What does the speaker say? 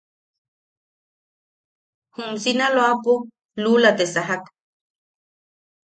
Jum Sinaloapo luula te sajak.